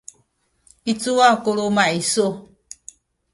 i cuwa ku luma’ isu?